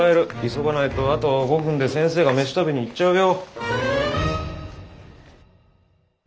急がないとあと５分で先生が飯食べに行っちゃうよ。